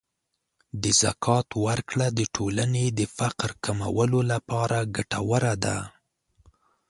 د زکات ورکړه د ټولنې د فقر کمولو لپاره ګټوره ده.